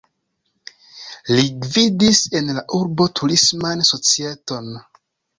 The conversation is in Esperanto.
Li gvidis en la urbo turisman societon.